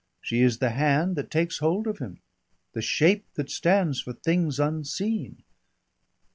"She is the hand that takes hold of him, the shape that stands for things unseen."